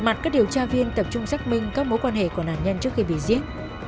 mặt các điều tra viên tập trung xác minh các mối quan hệ của nạn nhân trước khi bị giết